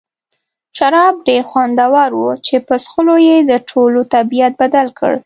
شراب ډېر خوندور وو چې په څښلو یې د ټولو طبیعت بدل کړ.